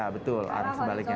ya betul arah sebaliknya